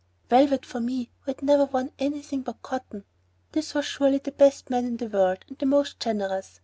Velvet for me who had never worn anything but cotton! This was surely the best man in the world, and the most generous.